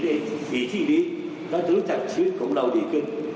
เราจะรู้จักชีวิตของเราดีขึ้น